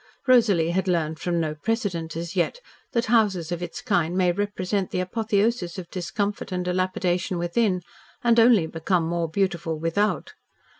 Rosalie had learned from no precedent as yet that houses of its kind may represent the apotheosis of discomfort and dilapidation within, and only become more beautiful without.